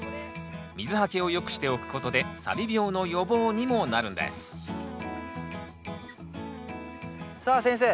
水はけを良くしておくことでさび病の予防にもなるんですさあ先生。